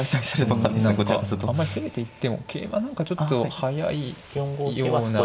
何かあんまり攻めていっても桂は何かちょっと早いような。